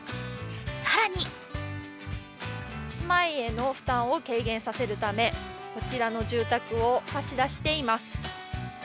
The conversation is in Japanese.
更に住まいへの負担を軽減させるため、こちらの住宅を貸し出しています。